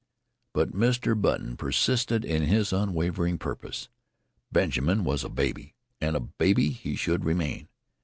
But Mr. Button persisted in his unwavering purpose. Benjamin was a baby, and a baby he should remain.